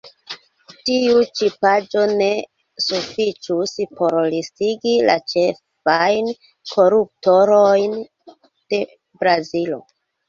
Tiu ĉi paĝo ne sufiĉus por listigi la ĉefajn koruptulojn de Brazilo.